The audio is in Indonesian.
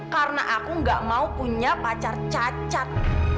karena aku nggak mau punya pacar cacat